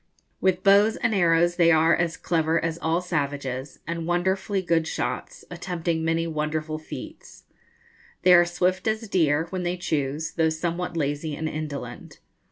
With bows and arrows they are as clever as all savages, and wonderfully good shots, attempting many wonderful feats. They are swift as deer, when they choose, though somewhat lazy and indolent.